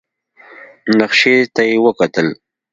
نخشې ته يې وکتل.